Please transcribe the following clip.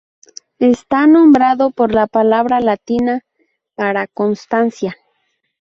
Está nombrado por la palabra latina para "constancia".